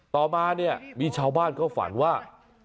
ต่อมามีชาวบ้านเขาฝันว่า